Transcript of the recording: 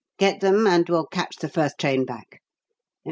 Get them, and we'll catch the first train back.